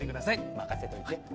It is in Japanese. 任せといて。